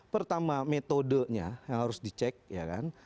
pertama metodenya yang harus dicek ya kan